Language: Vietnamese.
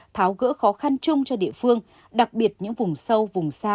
tháo gỡ khó khăn chung cho địa phương đặc biệt những vùng sâu vùng xa